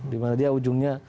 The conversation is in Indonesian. dimana dia ujungnya